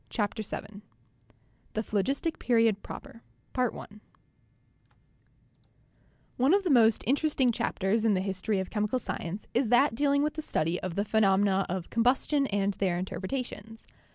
CHAPTER VII THE PHLOGISTIC PERIOD PROPER One of the most interesting chapters in the history of chemical science is that dealing with the study of the phe nomena of combustion and their interpretations.